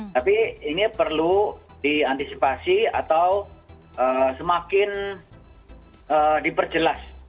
tapi ini perlu diantisipasi atau semakin diperjelas